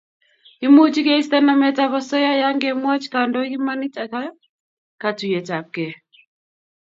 Imuch keisto nametab osoya yengemwoch kandoik imanit ak katuiyetabkei